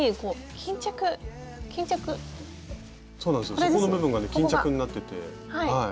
そこの部分がね巾着になってて。